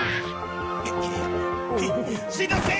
しんのすけ！